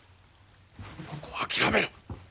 ここは諦めろ！